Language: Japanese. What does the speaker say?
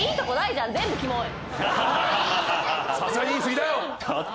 さすがに言い過ぎだよ！